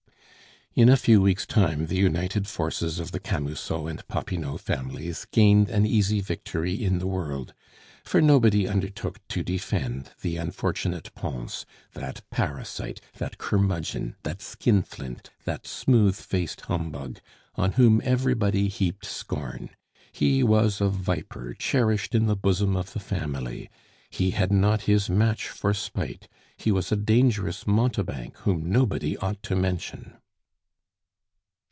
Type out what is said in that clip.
In a few weeks' time, the united forces of the Camusot and Popinot families gained an easy victory in the world, for nobody undertook to defend the unfortunate Pons, that parasite, that curmudgeon, that skinflint, that smooth faced humbug, on whom everybody heaped scorn; he was a viper cherished in the bosom of the family, he had not his match for spite, he was a dangerous mountebank whom nobody ought to mention.